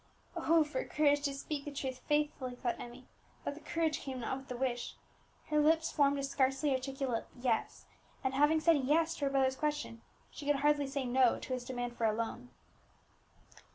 "Oh for courage to speak the truth faithfully!" thought Emmie; but the courage came not with the wish. Her lips formed a scarcely articulate "yes;" and having said "yes" to her brother's question, she could hardly say "no" to his demand for a loan.